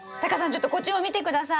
ちょっとこっちも見て下さい。